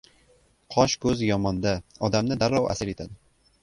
Qosh-ko‘z yomon-da, odamni darrov asir etadi".